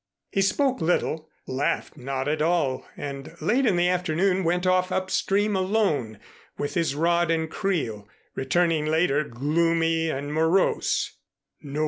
He spoke little, laughed not at all and late in the afternoon went off upstream alone with his rod and creel, returning later gloomy and morose.